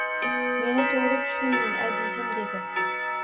Meni toʻgʻri tushuning, azizim, - dedi